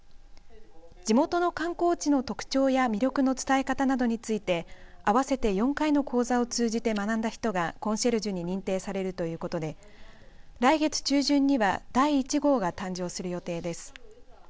地元の観光地の特徴や魅力の伝え方などについて合わせて４回の講座を通じて学んだ人がコンシェルジュに認定されるということで来月中旬には第１号が誕生する予定です。